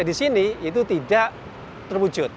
nah di sini kita bisa melihat tiga periode yang berbeda